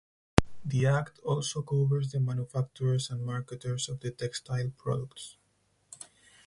The act also covers the manufacturers and marketers of the textile products.